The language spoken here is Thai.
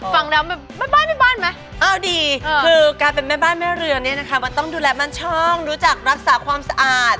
ฟังแล้วแบบแม่บ้านแม่บ้านไหมเอาดีคือการเป็นแม่บ้านแม่เรือเนี่ยนะคะมันต้องดูแลมั่นช่องรู้จักรักษาความสะอาด